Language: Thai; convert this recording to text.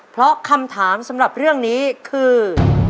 เพราะคำถามสำหรับเรื่องนี้คือ